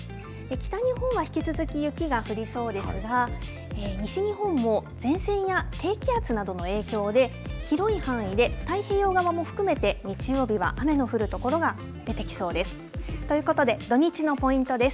北日本は引き続き、雪が降りそうですが、西日本も前線や低気圧などの影響で、広い範囲で、太平洋側も含めて、日曜日は雨の降る所が出てきそうです。ということで、土日のポイントです。